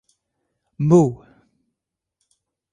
Meaux.